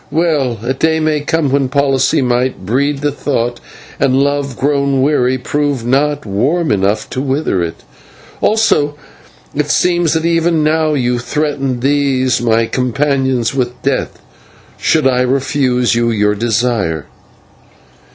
"Well, a day may come when policy might breed the thought, and love, grown weary, prove not warm enough to wither it. Also it seems that even now you threaten these my companions with death, should I refuse you your desire."